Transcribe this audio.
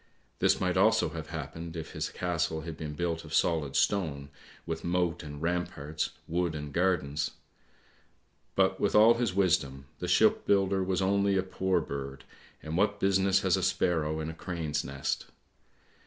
This might also have happened if his castle had been built of solid stone, with moat and ramparts, wood and gardens. But with all his wisdom, the shipbuilder was only a poor bird, and what business has a sparrow in a crane's nest?